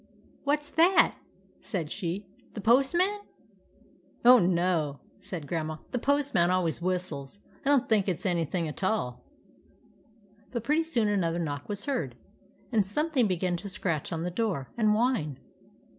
"What's that?" said she; " the post man ?"" Oh, no," said Grandma. " The postman always whistles. I don't think it 's any thing at all." But pretty soon another knock was heard, and something began to scratch on the door, and whine.